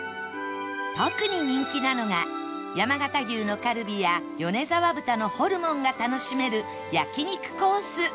特に人気なのが山形牛のカルビや米沢豚のホルモンが楽しめる焼肉コース